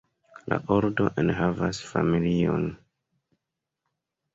La ordo enhavas familiojn.